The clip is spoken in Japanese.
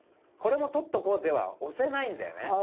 これも撮っとこうでは押せないんだよね。